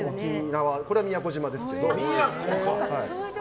これは宮古島ですけど。